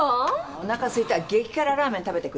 おなかすいた激辛ラーメン食べてくる。